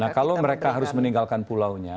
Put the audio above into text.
nah kalau mereka harus meninggalkan pulaunya